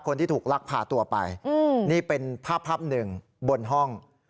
คนที่ถูกลักพาตัวไปนี่เป็นภาพภาพหนึ่งบนห้อง